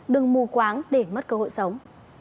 đừng mù quáng để mất cơ hội sống